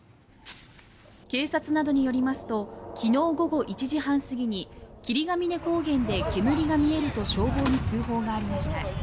警察などによりますと昨日午後１時半過ぎに霧ケ峰高原で煙が見えると消防に通報がありました。